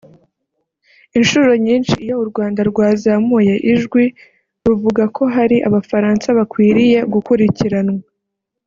Inshuro nyinshi iyo u Rwanda rwazamuye ijwi ruvuga ko hari Abafaransa bakwiriye gukurikiranwa